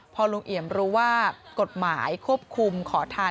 พอลุงเอี่ยมรู้ว่ากฎหมายควบคุมขอทาน